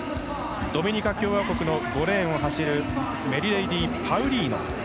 ドミニカ共和国の５レーンを走るメリレイディ・パウリーノ。